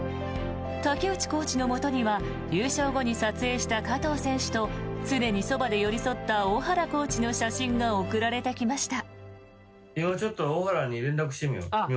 竹内コーチのもとには優勝後に撮影した加藤選手と常にそばで寄り添った小原コーチの写真が送られてきました。